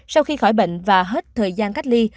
sau khi khỏi bệnh và hết thời gian cách ly